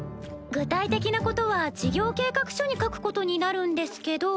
具体的なことは事業計画書に書くことになるんですけど。